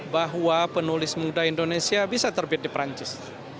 bahwa penulis muda indonesia bisa terbit di perancis